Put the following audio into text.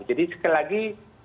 jadi sekali lagi